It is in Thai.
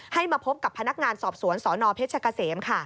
ให้มาพบกับพนักงานสอบสวนสอนอเพชรกเซม